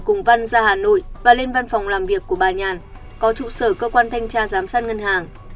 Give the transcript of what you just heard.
cùng văn ra hà nội và lên văn phòng làm việc của bà nhàn có trụ sở cơ quan thanh tra giám sát ngân hàng